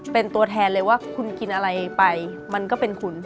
เป็นตัวแทนเลยว่าคุณกินอะไรไปมันก็เป็นคุณ